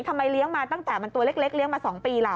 เลี้ยงมาตั้งแต่มันตัวเล็กเลี้ยงมา๒ปีล่ะ